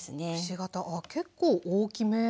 あっ結構大きめに。